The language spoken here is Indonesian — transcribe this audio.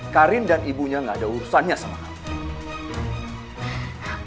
karin dan ibunya gak ada urusannya sama